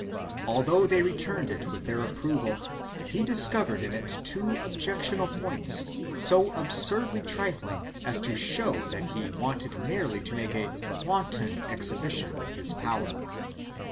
Although they returned it with their approval he discovered in it two objectionable points, so absurdly trifling as to show that he wanted merely to make a wanton exhibition of his power.